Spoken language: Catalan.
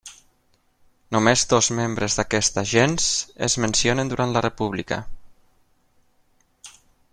Només dos membres d'aquesta gens es mencionen durant la república.